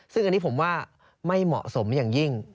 ซึ่งอันนี้ผมว่าไม่เหมาะสมอย่างยิ่ง